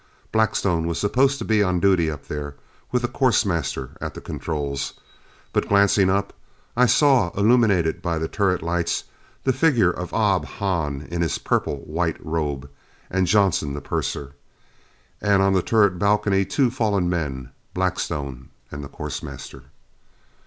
Blackstone was supposed to be on duty up there, with a course master at the controls. But, glancing up, I saw, illumined by the turret lights, the figure of Ob Hahn in his purple white robe, and Johnson, the purser. And on the turret balcony, two fallen men Blackstone and the course master.